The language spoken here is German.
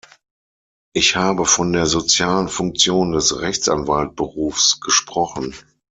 Ich habe von der sozialen Funktion des Rechtsanwaltberufs gesprochen.